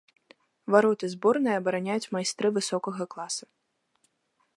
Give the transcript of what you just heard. Вароты зборнай абараняюць майстры высокага класа.